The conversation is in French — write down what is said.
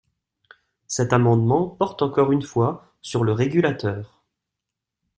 Cet amendement porte encore une fois sur le régulateur.